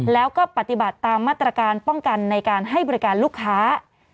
แล้วก็ปฏิบัติตามมาตรการป้องกันในการให้บริการลูกค้า